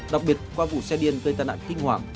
đặc biệt qua vụ xe biên gây tai nạn kinh hoàng